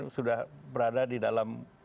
jadi saya tidak akan menangani di dalam event